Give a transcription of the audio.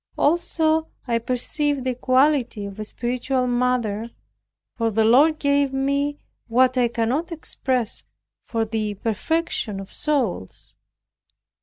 Also I perceived the quality of a spiritual mother; for the Lord gave me what I cannot express for the perfection of souls.